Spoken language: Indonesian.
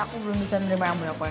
aku belum bisa nerima yang punya poin